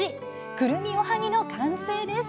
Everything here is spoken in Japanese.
くるみおはぎの完成です